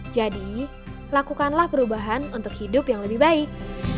jadi lakukanlah perubahan untuk hidup yang lebih baik